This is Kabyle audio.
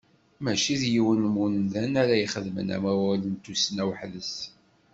Mačči d yiwen n wemdan ara ixedmen amawal n tussna weḥd-s.